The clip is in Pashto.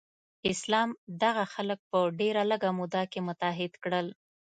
اسلام دغه خلک په ډیره لږه موده کې متحد کړل.